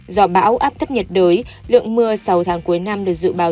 do bão áp thấp nhiệt đới lượng mưa sau tháng cuối năm được dự bảo